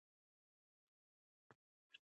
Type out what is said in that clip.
نه د زحمت لپاره.